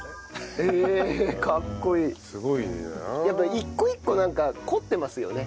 やっぱ一個一個なんか凝ってますよね。